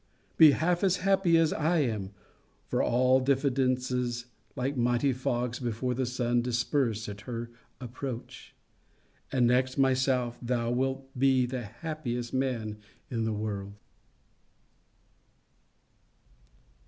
Be half as happy as I am (for all diffidencies, like night fogs before the sun, disperse at her approach) and, next myself, thou wilt be the happiest man in the world.